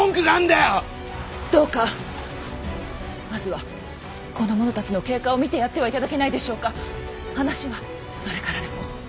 どうかまずはこの者たちの経過を見てやっては頂けないでしょうか！話はそれからでも。